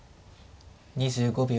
２５秒。